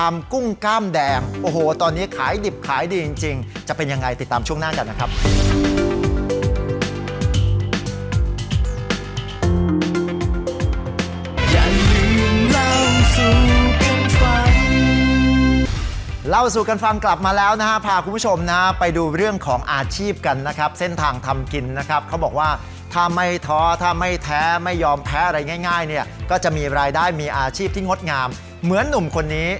เล่าสู่กันนะครับพาคุณผู้ชมนะไปดูเรื่องของอาชีพกันนะครับเส้นทางทำกินนะครับเขาบอกว่าถ้าไม่ท้อถ้าไม่แท้ไม่ยอมแพ้อะไรง่ายเนี่ยก็จะมีรายได้มีอาชีพที่งดงามเหมือนหนุ่มคนนี้